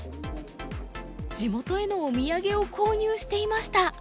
地元へのお土産を購入していました。